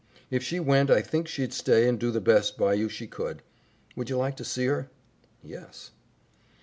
If she went I think she'd stay and do the best by you she could. Would you like to see her?" "Yes."